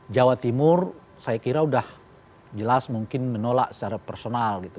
jawa timur saya kira sudah jelas mungkin menolak secara personal gitu